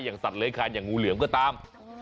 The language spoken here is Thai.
อย่างสัตว์เล็กครันงูเหลืองก็ตาม